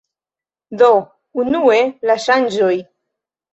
Do, unue la ŝanĝoj